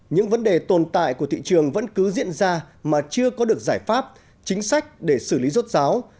những vấn đề tồn tại của thị trường vẫn cứ diễn ra mà chưa có được giải pháp chính sách để xử lý rốt ráo